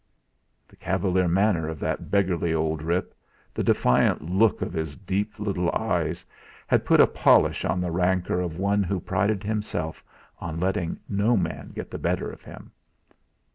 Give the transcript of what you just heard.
The cavalier manner of that beggarly old rip, the defiant look of his deep little eyes, had put a polish on the rancour of one who prided himself on letting no man get the better of him.